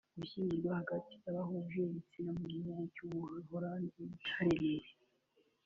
Gushyingiranwa hagati y’abahuje ibitsina mu gihugu cy’u Buholandi byaremewe